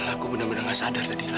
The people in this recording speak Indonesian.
aku benar benar gak sadar tadi